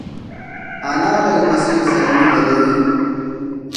انا له لمسیو سره مینه لري